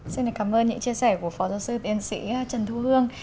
xin cảm ơn những chia sẻ của phó giáo sư tiến sĩ trần thu hương